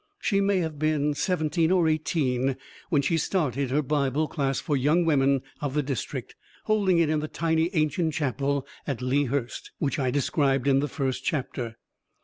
She may have been seventeen or eighteen when she started her Bible class for the young women of the district, holding it in the tiny ancient chapel at Lea Hurst which I described in the first chapter.